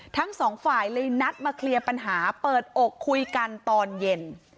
ทั้งสองฝ่ายเลยนัดมาเคลียร์ปัญหาเปิดอกคุยกันตอนเย็น